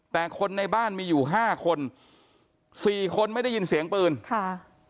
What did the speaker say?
แต่คนในบ้านมีอยู่ห้าคนสี่คนไม่ได้ยินเสียงปืนค่ะ